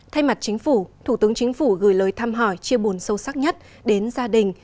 thay mặt chính phủ thủ tướng chính phủ gửi lời thăm hỏi chia buồn sâu sắc nhất đến gia đình